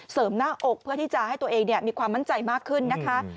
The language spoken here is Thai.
หน้าอกเพื่อที่จะให้ตัวเองมีความมั่นใจมากขึ้นนะคะ